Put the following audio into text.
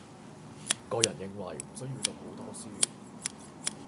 個人認為唔需要讀好多書